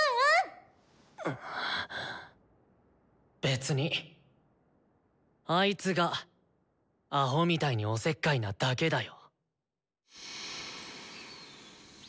別にあいつがアホみたいにおせっかいなだけだよ。